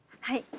はい。